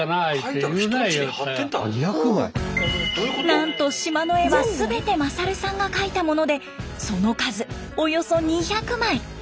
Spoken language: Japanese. なんと島の絵は全て勝さんが描いたものでその数およそ２００枚。